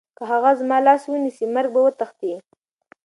که هغه زما لاس ونیسي، مرګ به وتښتي.